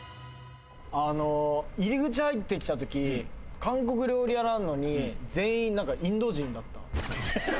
あの入り口入ってきた時韓国料理屋なのに全員なんかインド人だった。